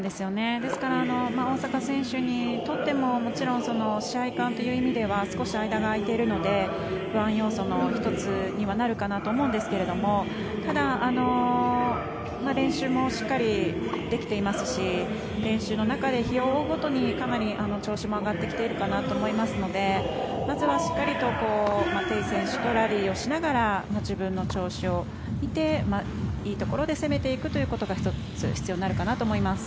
ですから、大坂選手にとってももちろん試合勘という意味では少し間が空いているので不安要素の１つにはなるかなと思うんですがただ、練習もしっかりできていますし練習の中で日を追うごとにかなり調子も上がってきているかなと思いますのでまずはしっかりとテイ選手とラリーをしながら自分の調子を見ていいところで攻めていくことが１つ必要になるかなと思います。